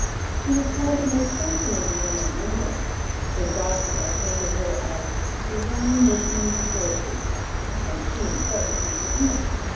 She was called the most fascinating woman in England. Sir Joshua painted her as "Design Listening to Poetry," and she, in turn, painted him.